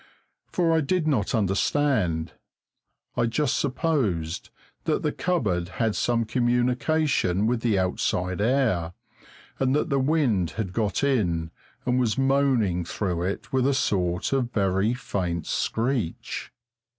For I did not understand; I just supposed that the cupboard had some communication with the outside air, and that the wind had got in and was moaning through it with a sort of very faint screech.